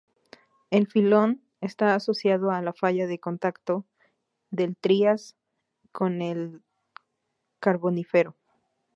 El filón está asociado a la falla de contacto del Trías con el Carbonífero.